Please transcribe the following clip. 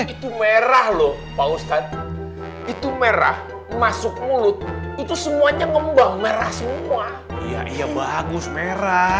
itu merah loh pak ustadz itu merah masuk mulut itu semuanya ngembang merah semua iya iya bagus merah